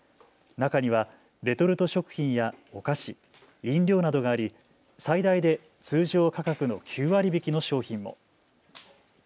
中にはレトルト食品やお菓子、飲料などがあり最大で通常価格の９割引きの商品も。